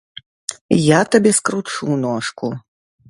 Я табе скручу ножку.